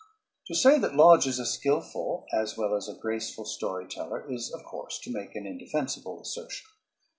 _ To say that Lodge is a skillful as well as a graceful story teller is, of course, to make an indefensible assertion.